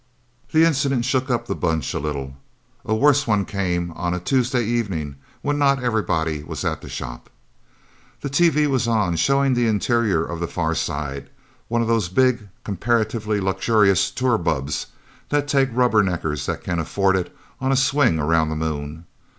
That incident shook up the Bunch a little. A worse one came on a Tuesday evening, when not everybody was at the shop. The TV was on, showing the interior of the Far Side, one of those big, comparatively luxurious tour bubbs that take rubbernecks that can afford it on a swing around the Moon.